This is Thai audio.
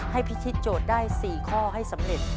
พิธิโจทย์ได้๔ข้อให้สำเร็จ